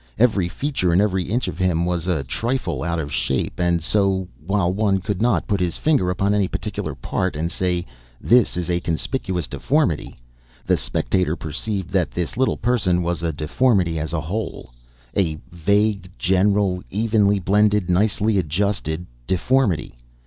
Every feature and every inch of him was a trifle out of shape; and so, while one could not put his finger upon any particular part and say, "This is a conspicuous deformity," the spectator perceived that this little person was a deformity as a whole a vague, general, evenly blended, nicely adjusted deformity.